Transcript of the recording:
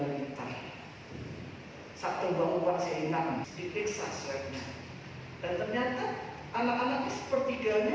dua puluh sembilan orangnya ibu bapaknya negatif